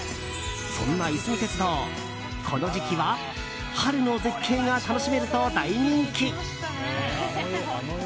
そんないすみ鉄道、この時期は春の絶景が楽しめると大人気。